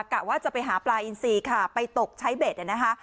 กะว่าจะไปหาปลาอินซีค่ะไปตกใช้เบ็ดนะคะ